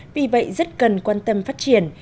vì vậy rất cần quan tâm phát triển